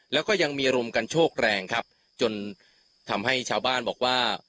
แล้วก็ยังมีลมกันโชคแรงครับจนทำให้ชาวบ้านบอกว่า